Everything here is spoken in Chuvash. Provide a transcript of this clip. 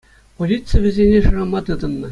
Полици вӗсене шырама тытӑннӑ.